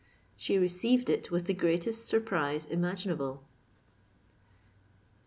She received it with the greatest surprise imaginable.